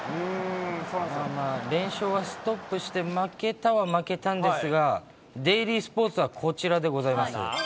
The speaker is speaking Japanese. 連勝はストップして負けたは負けたんですが、デイリースポーツはこちらでございます。